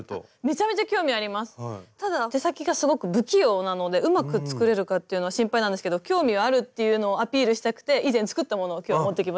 ただ手先がすごく不器用なのでうまく作れるかっていうのは心配なんですけど興味はあるっていうのをアピールしたくて以前作ったものを今日持ってきました。